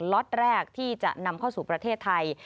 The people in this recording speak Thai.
ล็อตแรกที่จะนำเข้าสู่ประเทศไทย